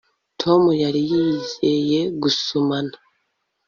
tom yari yizeye gusomana